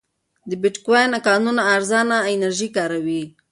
د بېټکوین کانونه ارزانه انرژي کاروي.